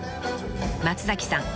［松崎さん